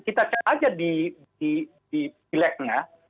kita cek aja di pilegnya